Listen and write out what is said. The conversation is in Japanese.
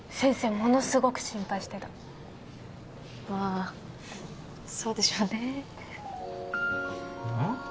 ものすごく心配してたまあそうでしょうねうん？